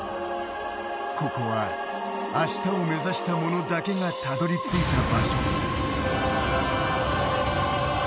ここは明日を目指したものだけがたどり着いた場所。